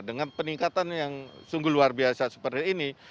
dengan peningkatan yang sungguh luar biasa seperti ini